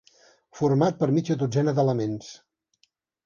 Format per mitja dotzena d'elements.